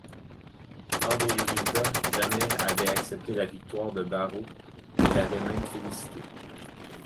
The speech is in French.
Lors des résultats, Jammeh avait accepté la victoire de Barrow et l'avait même félicité.